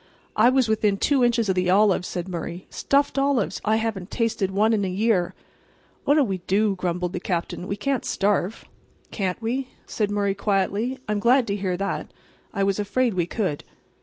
"I was within two inches of the olives," said Murray. "Stuffed olives. I haven't tasted one in a year." "What'll we do?" grumbled the Captain. "We can't starve." "Can't we?" said Murray quietly. "I'm glad to hear that. I was afraid we could."